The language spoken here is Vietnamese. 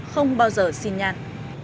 không bao giờ xin nhạn